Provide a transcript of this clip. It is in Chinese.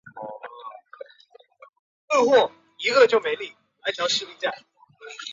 生于北京。